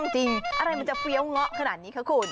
จริงอะไรมันจะเฟี้ยวเงาะขนาดนี้คะคุณ